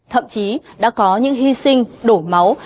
thậm chí đã có những hy sinh đổ máu